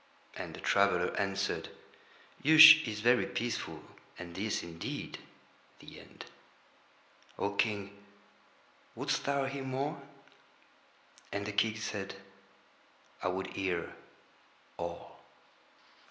And the traveller answered: "Yush is very peaceful and this indeed the End." "O King, wouldst thou hear more?" And the King said: "I would hear all."